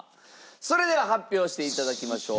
それでは発表して頂きましょう。